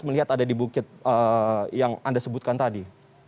melihat ada di bukit yang anda sebutkan tadi